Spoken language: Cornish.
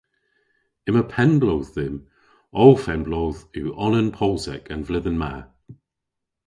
Yma penn-bloodh dhymm. Ow fenn-bloodh yw onan posek an vledhen ma.